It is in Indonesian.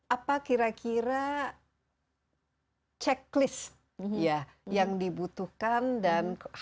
apa kira kira checklist yang dibutuhkan dan